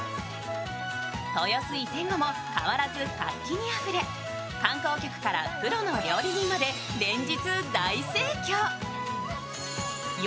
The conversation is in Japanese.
豊洲移転後も変わらず活気にあふれ、観光客からプロの料理人まで連日大盛況。